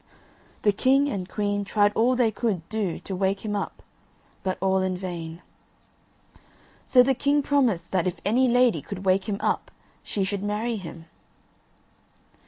The king and queen tried all they could do to wake him up, but all in vain. So the king promised that if any lady could wake him up she should marry him.